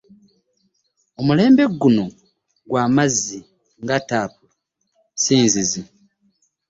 Omulembe guno gwa mazzi ga ttaapu si nzizi.